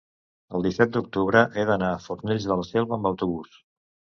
el disset d'octubre he d'anar a Fornells de la Selva amb autobús.